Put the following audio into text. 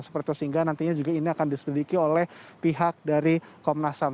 seperti itu sehingga nantinya juga ini akan diselidiki oleh pihak dari komnas ham